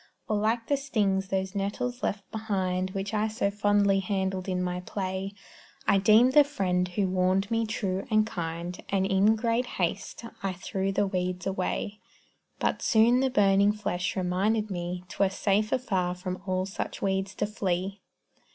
Or like the stings those nettles left behind Which I so fondly handled in my play; I deemed the friend who warned me true and kind, And in great haste I threw the weeds away, But soon the burning flesh reminded me 'Twere safer far from all such weeds to flee.